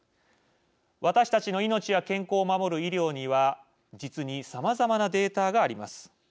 私たちの命や健康を守る医療には実にさまざまなデータがあります。